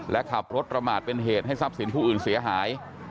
และขับรถประมาทเป็นเหตุให้ทรัพย์สินผู้อื่นเสียหาย